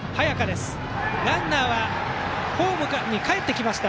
ランナーはホームにかえってきました。